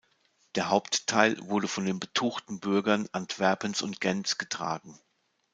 Der Hauptteil wurde von den betuchten Bürgern Antwerpens und Gents getragen.